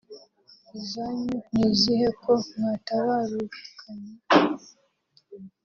izanyu ni izihe ko mwatabarukanye